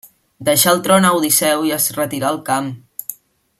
Deixà el tron a Odisseu i es retirà al camp.